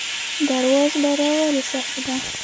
درواز لاره ولې سخته ده؟